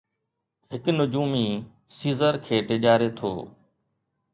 هڪ نجومي سيزر کي ڊيڄاري ٿو.